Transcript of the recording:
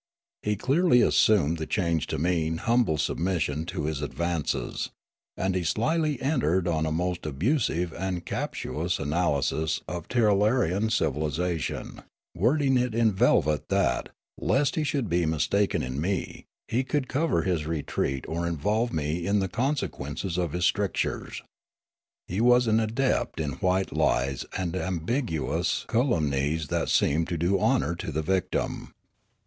He clearly assumed the change to mean humble sub mission to his advances ; and he slyly entered on a most abusive and captious analj'sis of Tirralarian civil isation, wording it in velvet that, lest he should be mistaken in me, he could cover his retreat or involve me in the consequences of his strictures. He was an adept in white lies and ambiguous calumnies that seemed to do honour to the victim.